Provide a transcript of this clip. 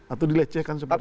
atau dilecehkan seperti ini